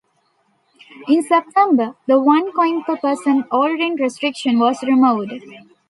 In September, the one coin per person ordering restriction was removed.